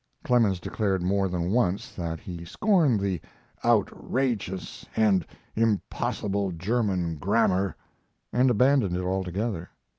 Clemens declared more than once that he scorned the "outrageous and impossible German grammar," and abandoned it altogether.